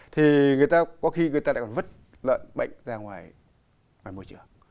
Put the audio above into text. thì có khi người ta còn vứt bệnh ra ngoài môi trường